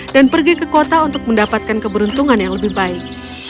dan pergi ke kota untuk mendapatkan keberuntungan yang lebih baik